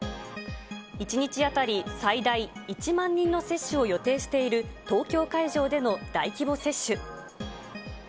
１日当たり最大１万人の接種を予定している東京会場での大規模接種。